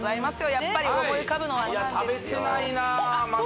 やっぱり思い浮かぶのはいや食べてないなあ